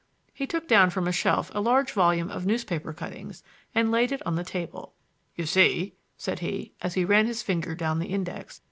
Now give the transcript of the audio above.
He took down from a shelf a large volume of newspaper cuttings and laid it on the table. "You see," said he, as he ran his finger down the index.